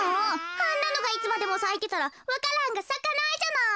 あんなのがいつまでもさいてたらわか蘭がさかないじゃない。